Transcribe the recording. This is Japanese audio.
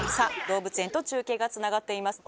動物園と中継がつながっています